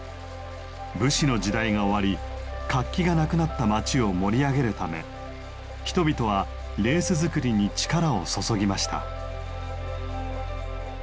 武士の時代が終わり活気がなくなった町を盛り上げるため人々はレース作りに力を注ぎました。